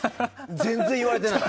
全然言われてない。